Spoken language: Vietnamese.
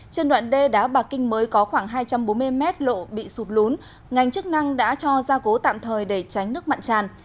trên đoạn đê đá bạc kinh mới có khoảng hai trăm bốn mươi mét lộ bị sụt lún ngành chức năng đã cho ra cố tạm thời để tránh nước mặn tràn